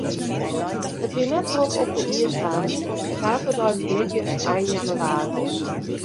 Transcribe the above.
It wie net drok op de iisbaan, dy saterdeitemiddeis ein jannewaarje.